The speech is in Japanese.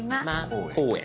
「公園」。